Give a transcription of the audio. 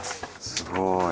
すごい！